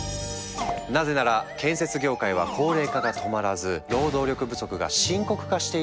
なぜなら建設業界は高齢化が止まらず労働力不足が深刻化しているからだ。